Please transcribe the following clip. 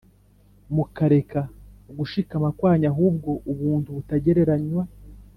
mukareka gushikama kwanyu, ahubwo ubuntu butagereranywa